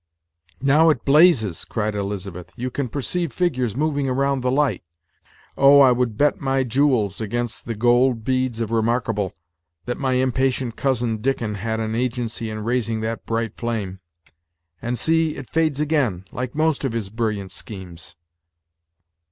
"Now it blazes," cried Elizabeth; "you can perceive figures moving around the light. Oh! I would bet my jewels against the gold beads of Remarkable, that my impatient Cousin Dickon had an agency in raising that bright flame; and see! it fades again, like most of his brilliant schemes."